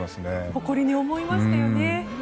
誇りに思いましたよね。